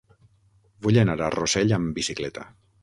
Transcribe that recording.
Vull anar a Rossell amb bicicleta.